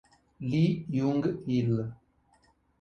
Lee Jung-il